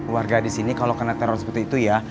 warga di sini kalau kena teror seperti itu ya